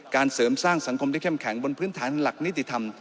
เสริมสร้างสังคมได้เข้มแข็งบนพื้นฐานหลักนิติธรรม